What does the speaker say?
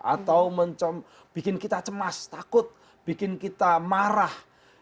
atau bikin kita cemas takut bikin kita marah